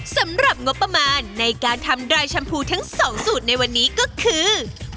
สำหรับงบประมาณในการทำรายแชมพูทั้ง๒สูตรในวันนี้ก็คือ